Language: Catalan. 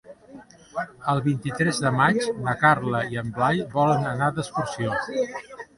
El vint-i-tres de maig na Carla i en Blai volen anar d'excursió.